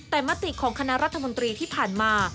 แต่มติของคณะรัฐมนตรีที่ผ่านมา